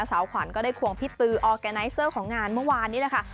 สาวขวัญก็ได้ควงพี่ตือออร์แกไนเซอร์ของงานเมื่อวานนี้แหละค่ะ